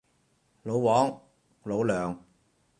老黃，老梁